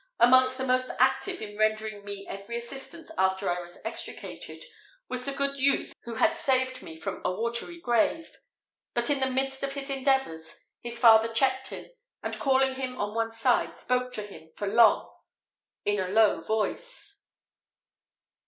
Amongst the most active in rendering me every assistance after I was extricated was the good youth who had saved me before from a watery grave; but in the midst of his endeavours, his father checked him, and calling him on one side, spoke to him for long in a low voice.